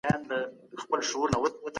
علم د راتلونکي لپاره سم اټکل وړاندې نه کړ.